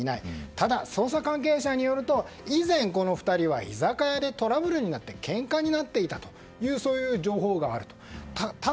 ただ、捜査関係者によると以前、この２人は居酒屋でトラブルになってけんかになっていたという情報があると。